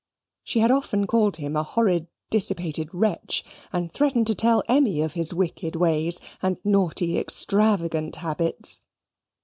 She had often called him a horrid dissipated wretch, and threatened to tell Emmy of his wicked ways and naughty extravagant habits.